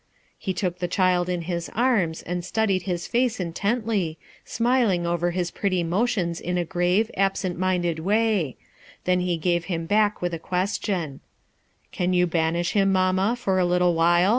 lie took the child in his arms and studied his face intently, smiling over his pretty motions in a grave, absent minded way; then he gave him back with a question :— "Can you banish him, mamma, for a little while?